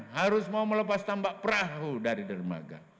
harus mau melepas tambak perahu dari dermaga